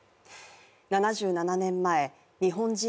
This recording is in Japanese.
７７年前日本人